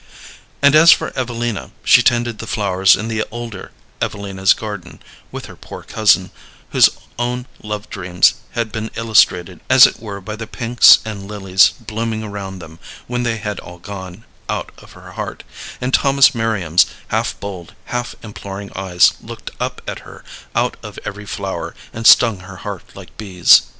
And as for Evelina, she tended the flowers in the elder Evelina's garden with her poor cousin, whose own love dreams had been illustrated as it were by the pinks and lilies blooming around them when they had all gone out of her heart, and Thomas Merriam's half bold, half imploring eyes looked up at her out of every flower and stung her heart like bees.